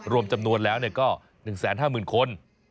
รวมจำนวนแล้วก็๑๕๐๐๐คน